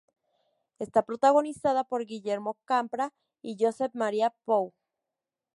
Está protagonizada por Guillermo Campra y Josep Maria Pou.